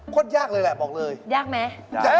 โคตรยากเลยแหละบอกเลยยากไหมยากมาก